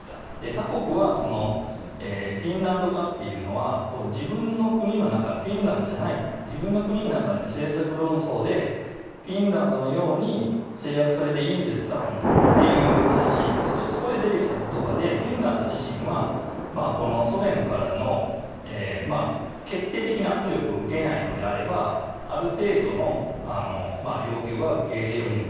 他国はフィンランド化というのは自分の国の中でフィンランドじゃない自分の国の中での政策論争でフィンランドのように制約されていいんですかという話そこで出てきた言葉でフィンランド自身はこのソ連からの決定的な圧力を受けないのであればある程度の要求は受け入れようと。